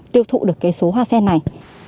tiêu thụ được cái số hoa sen này